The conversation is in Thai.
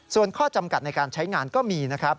ส่วนข้อจำกัดในการใช้งานก็มีนะครับ